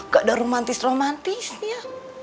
gak ada romantis romantisnya